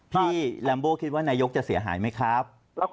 ลัมโบคิดว่านายกจะเสียหายไหมครับ